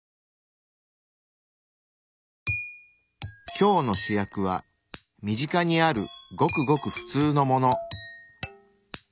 今日の主役は身近にあるごくごくふつうのもの。